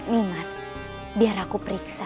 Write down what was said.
nimas biar aku periksa